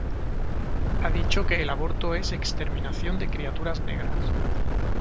Ha dicho que el aborto es "exterminación" de criaturas negras.